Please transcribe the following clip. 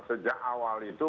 sejak awal itu